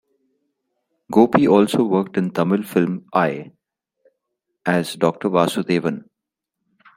Gopi also worked in Tamil film "I" as Dr. Vasudevan.